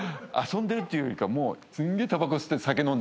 遊んでるっていうよりかもうすげえ。